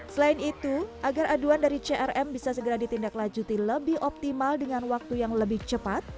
selain itu agar aduan dari crm bisa segera ditindaklanjuti lebih optimal dengan waktu yang lebih cepat